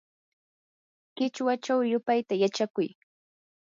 qichwachaw yupayta yachakuy.